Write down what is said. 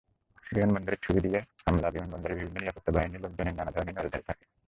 বিমানবন্দরে ছুরি নিয়ে হামলাবিমানবন্দরে বিভিন্ন নিরাপত্তা বাহিনীর লোকজনের নানা ধরনের নজরদারি থাকে।